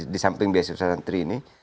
di samping bsi usaha santri ini